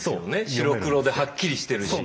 白黒ではっきりしてるし。